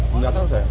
tidak tahu saya